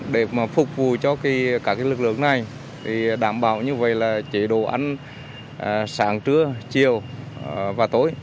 để mà phục vụ cho các lực lượng này đảm bảo như vậy là chế độ ăn sáng trưa chiều và tối